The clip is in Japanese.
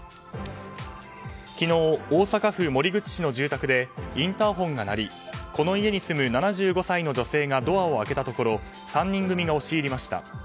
昨日、大阪府守口市の住宅でインターホンが鳴りこの家に住む７５歳の女性がドアを開けたところ３人組が押し入りました。